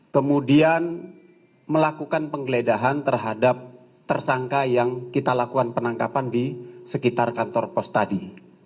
kemudian melakukan penggeledahan terhadap tersangka yang kita lakukan penangkapan di sekitar kantor pos tadi